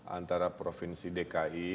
antara provinsi dki jakarta